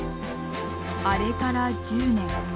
あれから１０年。